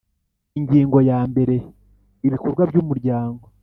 Ingingo ya mbere Ibikorwa by umuryango